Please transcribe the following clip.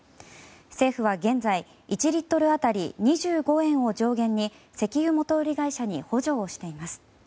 政府は現在、１リットル当たり２５円を上限に石油元売り会社に補助をしています。